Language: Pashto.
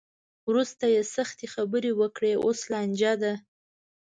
وروسته یې سختې خبرې وکړې؛ اوس لانجه ده.